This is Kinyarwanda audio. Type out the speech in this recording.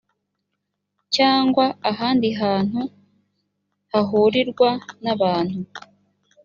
cyangwa ahandi hantu hahurirwa n abantu